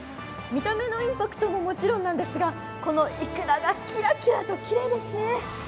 見た目のインパクトももちろんなんですがこのいくらがキラキラときれいですね。